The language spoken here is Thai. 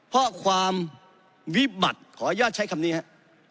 เพราะความวิบัติขออนุญาตใช้คำนี้ครับ